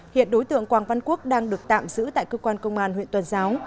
hiện đối tượng quảng văn quốc đang được tạm giữ tại cơ quan công an huyện tuần giáo